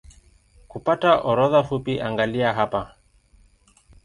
Kupata orodha fupi angalia hapa